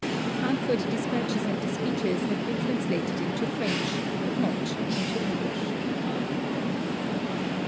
The Frankfort dispatches and the speeches have been translated into French, but not into English.